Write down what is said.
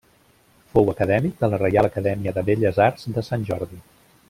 Fou acadèmic de la Reial Acadèmia de Belles Arts de Sant Jordi.